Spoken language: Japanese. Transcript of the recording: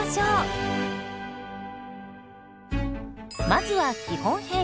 まずは基本編。